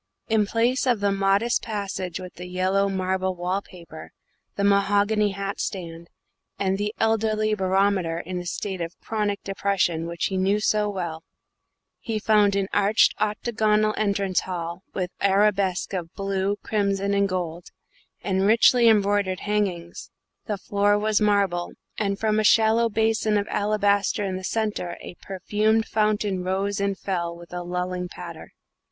In place of the modest passage with the yellow marble wall paper, the mahogany hat stand, and the elderly barometer in a state of chronic depression which he knew so well, he found an arched octagonal entrance hall with arabesques of blue, crimson, and gold, and richly embroidered hangings; the floor was marble, and from a shallow basin of alabaster in the centre a perfumed fountain rose and fell with a lulling patter.